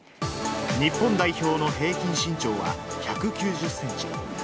日本代表の平均身長は１９０センチ。